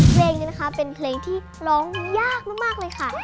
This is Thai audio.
เพลงนี้นะคะเป็นเพลงที่ร้องยากมากเลยค่ะ